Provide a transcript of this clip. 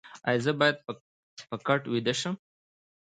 ایا زه باید په کټ ویده شم؟